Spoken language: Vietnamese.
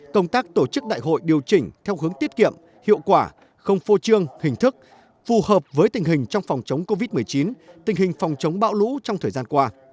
công tác tổ chức đại hội điều chỉnh theo hướng tiết kiệm hiệu quả không phô trương hình thức phù hợp với tình hình trong phòng chống covid một mươi chín tình hình phòng chống bão lũ trong thời gian qua